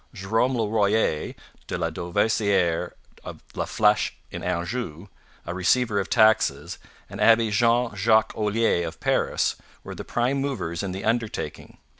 Jerome le Royer de la Dauversiere of La Fleche in Anjou, a receiver of taxes, and Abbe Jean Jacques Olier of Paris, were the prime movers in the undertaking.